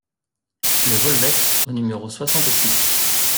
Le Volvet au numéro soixante-six